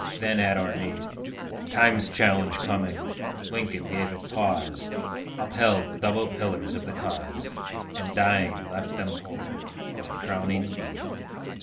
then at our need, Time's challenge coming, Lincoln gave it pause, Upheld the double pillars of the cause, And dying left them whole our crowning deed.